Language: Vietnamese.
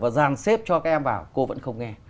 và giang xếp cho các em vào cô vẫn không nghe